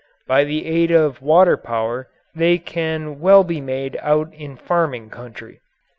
By the aid of water power they can well be made out in farming country.